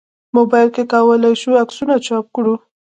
موبایل کې کولای شو عکسونه چاپ کړو.